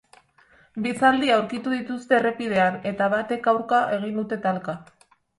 Bi zaldi aurkitu dituzte errepidean eta batek aurka egin dute talka.